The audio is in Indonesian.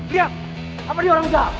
lihat apa dia orang jawa